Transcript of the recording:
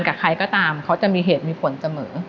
กับใครก็ตามเขาจะมีเหตุมีผลเสมอ